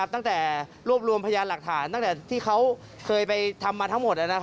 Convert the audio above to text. ตั้งแต่รวบรวมพยานหลักฐานตั้งแต่ที่เขาเคยไปทำมาทั้งหมด